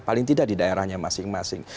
paling tidak di daerahnya masing masing